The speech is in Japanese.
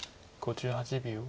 ５８秒。